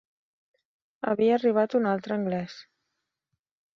Havia arribat un altre anglès.